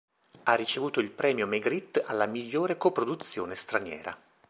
Ha ricevuto il premio Magritte alla migliore coproduzione straniera.